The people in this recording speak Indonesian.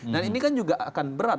dan ini kan juga akan berat